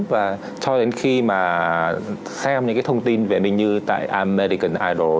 và cho đến khi mà xem những cái thông tin về minh như tại american idol